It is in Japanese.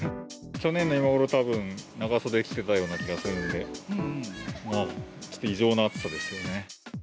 去年の今頃はたぶん、長袖着てた気がするんで、ちょっと異常な暑さですよね。